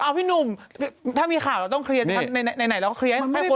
เอาพี่หนุ่มถ้ามีข่าวเราต้องเคลียร์ไหนเราก็เคลียร์ให้คน